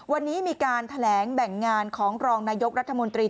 วันนี้มีการแถลงแบ่งงานของรองนายกรัฐมนตรี